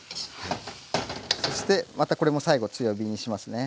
そしてまたこれも最後強火にしますね。